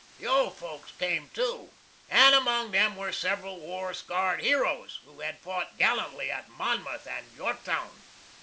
The old folks came, too, and among them were several war scarred heroes, who had fought gallantly at Monmouth and Yorktown.